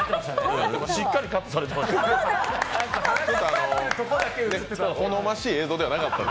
しっかりカットされてました。